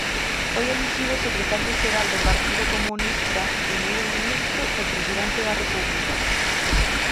Foi elixido secretario xeral do partido comunista, primeiro ministro e presidente da república.